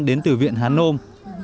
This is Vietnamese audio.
đến từ viện hán nôm